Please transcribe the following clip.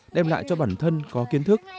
đem lại cho bản thân có kiến thức